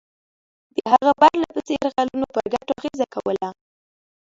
د هغه پرله پسې یرغلونو پر ګټو اغېزه کوله.